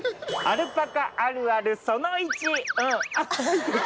アルパカあるあるその１。